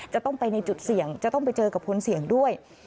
จะต้องไปในจุดเสี่ยงจะต้องไปเจอกับคนเสี่ยงด้วย